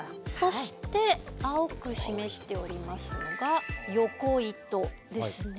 そして青く示しておりますのが横糸ですね。